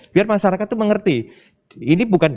biar masyarakat itu mengerti ini bukan